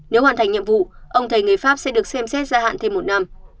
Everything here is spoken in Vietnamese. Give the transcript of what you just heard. nếu hoàn thành nhiệm vụ ông thầy người pháp sẽ được xem xét gia hạn thêm một năm